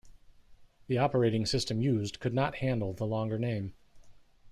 The operating system used could not handle the longer name.